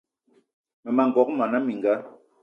Mmema n'gogué mona mininga